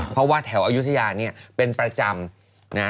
เพราะว่าแถวอายุทยาเนี่ยเป็นประจำนะ